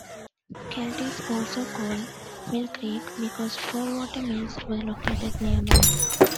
Celt is also called "Mill Creek" because four water mills were located nearby.